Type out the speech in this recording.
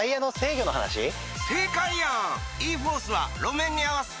正解やん！